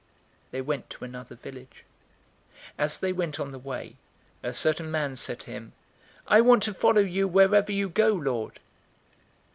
They went to another village. 009:057 As they went on the way, a certain man said to him, "I want to follow you wherever you go, Lord."